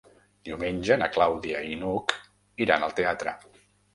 Diumenge na Clàudia i n'Hug iran al teatre.